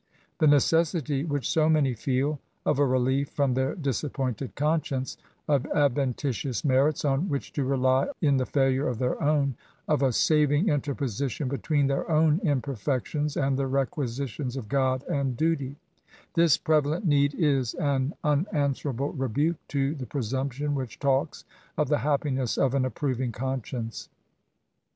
The ^necessity which so many feel of a relief fi:om their disappointed consdence— of adventitious merits on which to rely in the failure of th:eir own— of a saving interposition between their own imper fections and the requisitions of God and duty; this prevalent need is an unanswerable rebuke to the presumption which talks of " the happiness of an approving conscience."